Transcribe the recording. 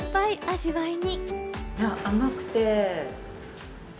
味わいに。